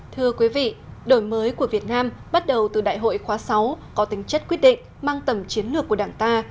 thưa quý vị đổi mới của việt nam bắt đầu từ đại hội khóa sáu có tính chất quyết định mang tầm chiến lược của đảng ta